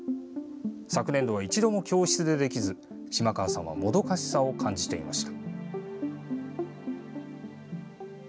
昨年度は一度も教室でできず島川さんはもどかしさを感じていました。